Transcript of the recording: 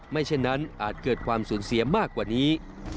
เช่นนั้นอาจเกิดความสูญเสียมากกว่านี้